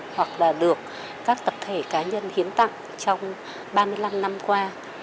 hoặc là được các tập thể cá nhân hiến tặng trong ba mươi năm năm qua